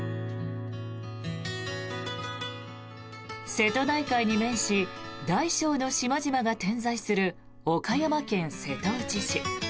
瀬戸内海に面し大小の島々が点在する岡山県瀬戸内市。